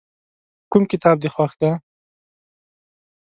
کوم کتاب دې خوښ دی؟